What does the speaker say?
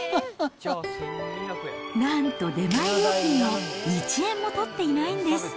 なんと出前料金を１円も取っていないんです。